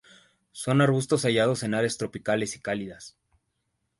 Son arbustos hallados en áreas tropicales y cálidas.